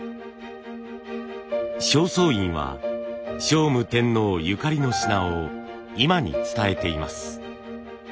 正倉院は聖武天皇ゆかりの品を今に伝えています。